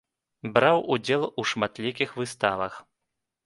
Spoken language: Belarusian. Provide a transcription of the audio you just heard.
Браў удзел у шматлікіх выставах.